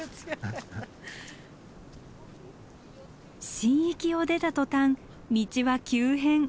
神域を出た途端道は急変。